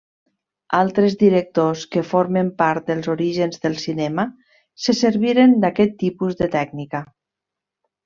Altres directors que formen part dels orígens del cinema se serviren d'aquest tipus de tècnica.